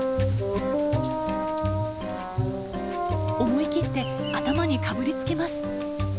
思い切って頭にかぶりつきます。